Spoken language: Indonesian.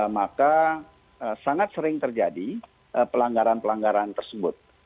maka sangat sering terjadi pelanggaran pelanggaran tersebut